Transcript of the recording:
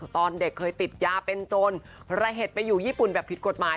ตอนเด็กเคยติดยาเป็นจนระเห็ดไปอยู่ญี่ปุ่นแบบผิดกฎหมาย